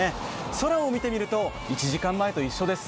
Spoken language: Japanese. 空を見てみると、１時間前と一緒です。